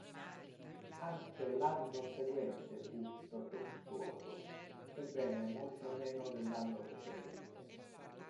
Anche l'anno seguente fu piuttosto fruttuoso, sebbene molto meno dell'anno precedente.